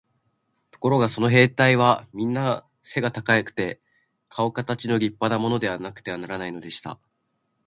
ところがその兵隊はみんな背が高くて、かおかたちの立派なものでなくてはならないのでした。